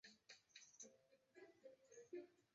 本鱼栖息于海岸沼泽与泛滥区域。